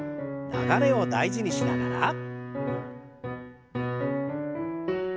流れを大事にしながら。